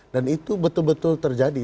dan itu betul betul terjadi